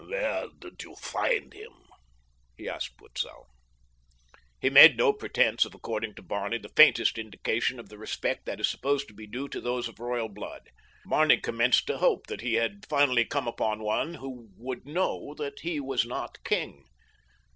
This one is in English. "Where did you find him?" he asked Butzow. He made no pretense of according to Barney the faintest indication of the respect that is supposed to be due to those of royal blood. Barney commenced to hope that he had finally come upon one who would know that he was not king.